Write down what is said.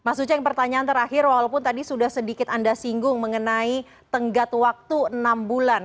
mas uceng pertanyaan terakhir walaupun tadi sudah sedikit anda singgung mengenai tenggat waktu enam bulan